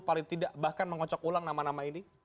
paling tidak bahkan mengocok ulang nama nama ini